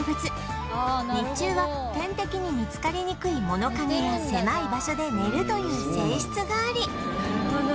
日中は天敵に見つかりにくい物陰や狭い場所で寝るという性質があり